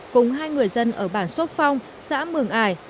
cùng hai người dân ở bản sốt phong xã mường ải